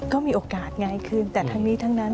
ก็มีโอกาสง่ายขึ้นแต่ทั้งนี้ทั้งนั้น